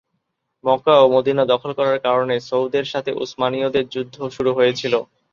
মক্কা ও মদিনা দখল করার কারণে সৌদের সাথে উসমানীয়দের যুদ্ধ শুরু হয়েছিল।